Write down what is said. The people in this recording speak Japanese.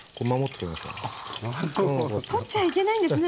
取っちゃいけないんですね